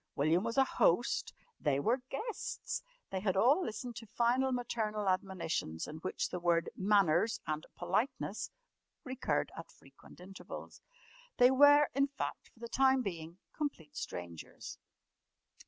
William was a "host," they were "guests"; they had all listened to final maternal admonitions in which the word "manners" and "politeness" recurred at frequent intervals. They were, in fact, for the time being, complete strangers.